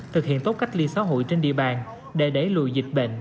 thực hiện tốt cách ly xã hội trên địa bàn để đẩy lùi dịch bệnh covid một mươi chín